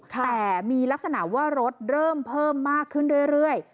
แต่มีลักษณะว่ารถเริ่มเพิ่มมากขึ้นเรื่อย